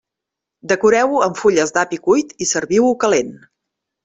Decoreu-ho amb fulles d'api cuit i serviu-ho calent.